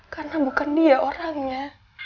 karena bukan dia orangnya